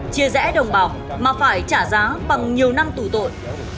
chia rẽ đồng bào mà phải trả giá bằng nhiều năm tù tội